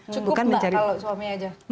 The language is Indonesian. cukup nggak kalau suami aja